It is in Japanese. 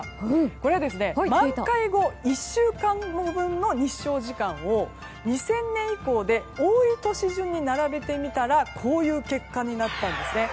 これは満開後１週間後分の日照時間を２０００年以降で多い年順に並べてみたらこういう結果になったんですね。